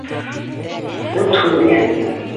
Ут һүнгән